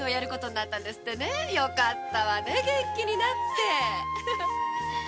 良かったわ元気になって。